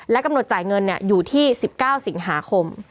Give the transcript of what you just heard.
กำหนดจ่ายเงินอยู่ที่๑๙สิงหาคม